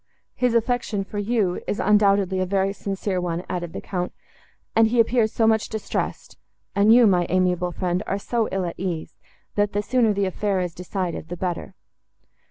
"His affection for you is, undoubtedly, a very sincere one," added the Count; "and he appears so much distressed, and you, my amiable friend, are so ill at ease—that the sooner the affair is decided, the better."